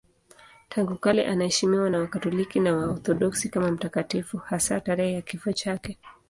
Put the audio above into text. Tangu kale anaheshimiwa na Wakatoliki na Waorthodoksi kama mtakatifu, hasa tarehe ya kifo chake.